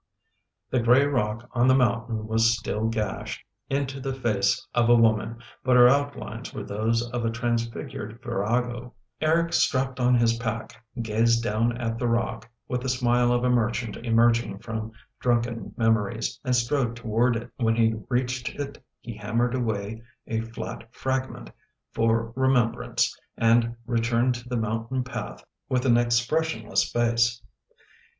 The gray rock on the mountain was still gashed into the face of a woman but her outlines were those of a transfigured virago. Eric strapped on his pack; gazed down at the rock, with the smile of a merchant emerging from drunken memories, and strode toward it. When he reached it he hammered away a flat fragment, for remem brance, and returned to the mountain path, with an ex pressionless face.